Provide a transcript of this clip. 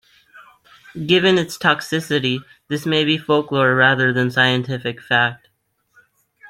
Given its toxicity, this may be folklore rather than scientific fact.